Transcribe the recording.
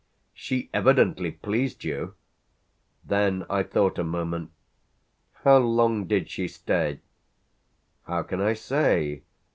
"She evidently pleased you!" Then I thought a moment. "How long did she stay?" "How can I say?